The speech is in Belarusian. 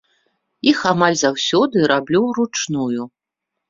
Іх амаль заўсёды раблю ўручную.